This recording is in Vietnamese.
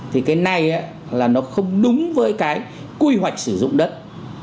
thì cái này là nó không đúng với cái quy hoạch sử dụng đất